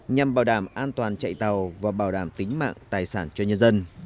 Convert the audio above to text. nhằm bảo đảm an toàn chạy tàu và bảo đảm tính mạng tài sản cho nhân dân